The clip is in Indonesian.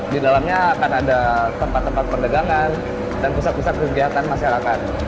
di dalamnya akan ada tempat tempat perdagangan dan pusat pusat kegiatan masyarakat